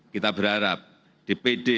kita berharap dpd